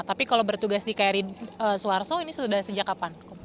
tapi kalau bertugas di kri suharto ini sudah sejak kapan